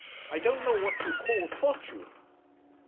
I don't know what you call fortune.'